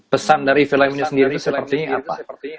pesan dari filmnya sendiri sepertinya apa